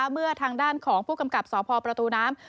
เมื่อทางด้านของผู้กำกับสพประตูน้ำ